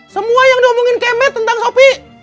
semua yang diomongin kemer tentang sopi